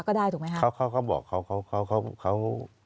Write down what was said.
ก็ได้ถูกไหมฮะเขาเขาเขาบอกเขาเขาเขาเขาเขาเขา